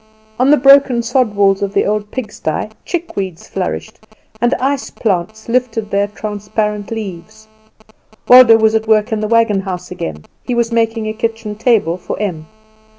On the broken sod walls of the old pigsty chick weeds flourished, and ice plants lifted heir transparent leaves. Waldo was at work in the wagon house again. He was making a kitchen table for Em.